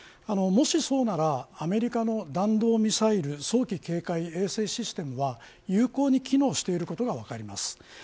もしそうならアメリカの弾道ミサイル早期警戒衛星システムは有効に機能していることが分かります。